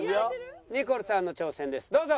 ニコルさんの挑戦ですどうぞ。